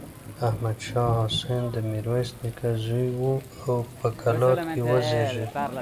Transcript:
احمد شاه حسين د ميرويس نيکه زوی و او په کلات کې وزېږېد.